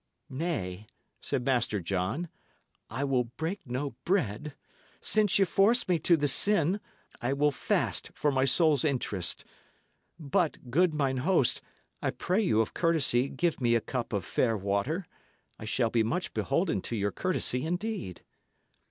"Nay," said Master John, "I will break no bread. Since ye force me to this sin, I will fast for my soul's interest. But, good mine host, I pray you of courtesy give me a cup of fair water; I shall be much beholden to your courtesy indeed."